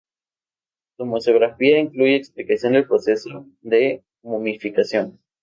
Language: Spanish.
Su museografía incluye explicación del proceso de momificación.